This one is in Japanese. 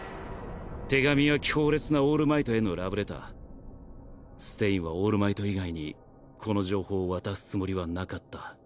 手紙は強烈なオールマイトへのラブレターステインはオールマイト以外にこの情報を渡すつもりはなかった。